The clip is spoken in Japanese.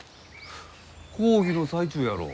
講義の最中やろう。